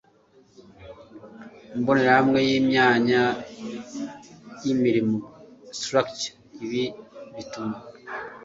mbonerahamwe y imyanya y imirimo Structure Ibi bituma